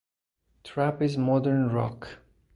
Trap is modern rock.